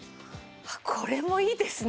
あっこれもいいですね。